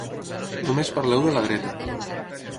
Només parleu de la dreta.